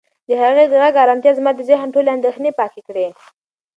د هغې د غږ ارامتیا زما د ذهن ټولې اندېښنې پاکې کړې.